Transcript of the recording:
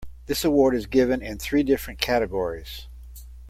This award is given in three different categories.